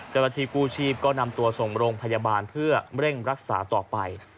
เจ้าหน้าที่กู้ชีพก็นำตัวส่งโรงพยาบาลเพื่อเร่งรักษาต่อไป